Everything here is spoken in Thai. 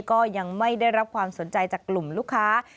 ก็ยังไม่ได้รับความสนใจจากกลุ่มลูกค้า